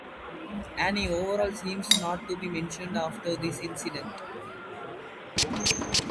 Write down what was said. Anne Overall seems not to be mentioned after this incident.